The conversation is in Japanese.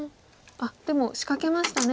あっでも仕掛けましたね。